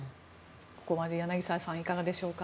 ここまで柳澤さんいかがでしょうか。